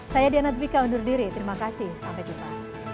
saya diana dwika undur diri terima kasih sampai jumpa